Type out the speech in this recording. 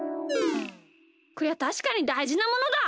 こりゃたしかにだいじなものだ！